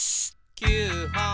「９ほん」